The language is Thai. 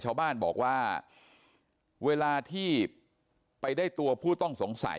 ชาวบ้านบอกว่าเวลาที่ไปได้ตัวผู้ต้องสงสัย